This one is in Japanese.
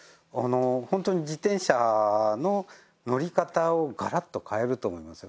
本当に自転車の乗り方をガラッと変えると思いますよ